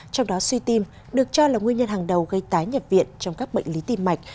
trong đó suy tim được cho là nguyên nhân hàng đầu gây tái nhập viện trong các bệnh lý tim mạch